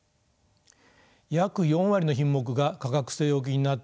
約４割の品目が価格据え置きになっている。